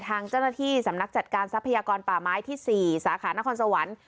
ทางเจ้าหน้าที่สำนักจัดการทรัพยากรป่าไม้ที่๔สาขานครสวรรค์